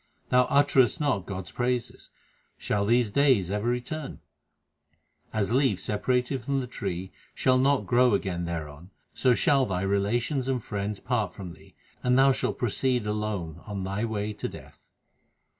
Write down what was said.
Thou utterest not God s praises : shall these days ever return ? x As leaves separated from the tree shall not grow again thereon, so shall thy relations and friends part from thee, and thou shalt proceed alone on thy way to Death.